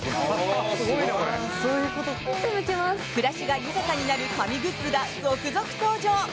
暮らしが豊かになる神グッズが続々登場！